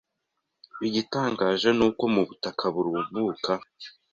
Igitangaje ni uko mu butaka burumbuka